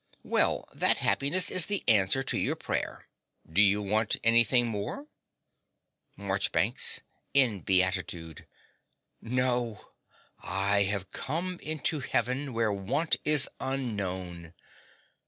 Well, that happiness is the answer to your prayer. Do you want anything more? MARCHBANKS (in beatitude). No: I have come into heaven, where want is unknown.